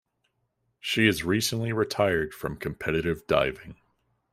She has recently retired from competitive diving.